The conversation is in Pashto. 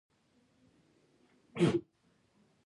پړانګ د انسان له موجودیت څخه تېښته کوي.